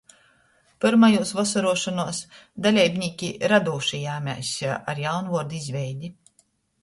Pyrmajuos "Vosoruošonuos" daleibnīki rodūši jēmēs ar jaunvuordu izveidi.